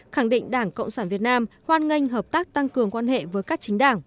khẳng định đảng cộng sản việt nam hoan nghênh hợp tác tăng cường quan hệ với các chính đảng